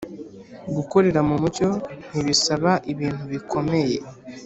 Gukorera mu mucyo ntibisaba ibintu bikomeye.